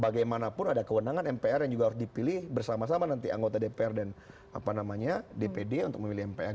bagaimanapun ada kewenangan mpr yang juga harus dipilih bersama sama nanti anggota dpr dan dpd untuk memilih mpr